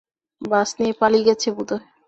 বাস নিয়ে পালিয়ে গেছে বোধহয়।